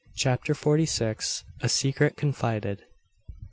CHAPTER FORTY SIX. A SECRET CONFIDED.